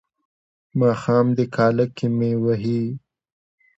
ماښام دی کاله کې مې وهي.